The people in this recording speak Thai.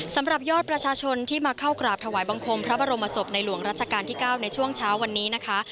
สำหรับยอดประชาชนที่มาเข้ากราบถวายบังคมพระบรมศพในหลวงรัชกาลที่๙ในช่วงเช้าวันนี้นะคะ